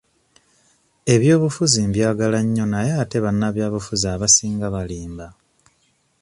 Ebyobufuzi mbyagala nnyo naye ate bannabyabufuzi abasinga balimba.